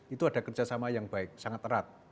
itu ada kerjasama yang baik sangat erat